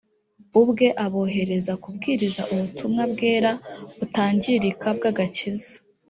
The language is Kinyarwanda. ubwe abohereza kubwiriza ubutumwa bwera butangirika bw agakiza